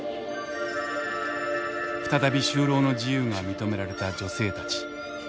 再び就労の自由が認められた女性たち。